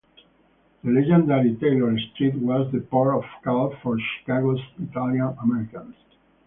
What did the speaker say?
The legendary Taylor Street was the port-of-call for Chicago's Italian Americans.